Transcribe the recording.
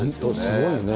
すごいよね。